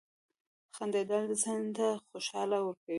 • خندېدل ذهن ته خوشحالي ورکوي.